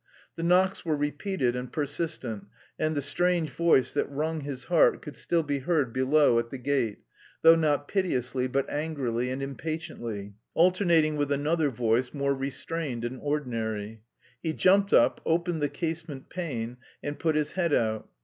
The knocks were repeated and persistent, and the strange voice "that wrung his heart" could still be heard below at the gate, though not piteously but angrily and impatiently, alternating with another voice, more restrained and ordinary. He jumped up, opened the casement pane and put his head out.